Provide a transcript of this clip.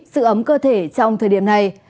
sự ấm cơ thể trong thời điểm này